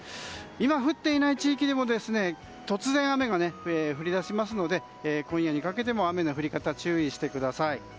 今、降っていない地域でも突然、雨が降り出しますので今夜にかけても雨の降り方、注意してください。